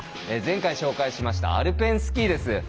前回紹介しましたアルペンスキーです。